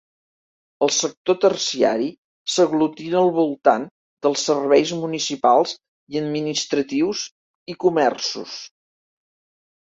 El sector terciari s'aglutina al voltant dels serveis municipals i administratius i comerços.